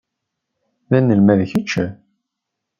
D anelmad kečč?